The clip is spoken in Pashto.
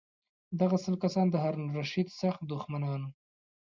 دغه سل کسان د هارون الرشید سخت دښمنان وو.